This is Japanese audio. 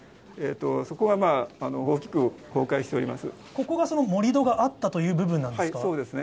そこはまあ、大きく崩壊しておりここが、その盛り土があったという部分なんですか。